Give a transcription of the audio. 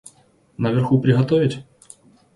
Наверху приготовить?